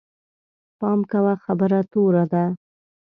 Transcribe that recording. پام کوه، خبره توره ده